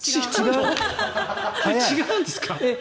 違うんですか。